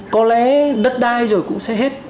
có lẽ đất đai rồi cũng sẽ hết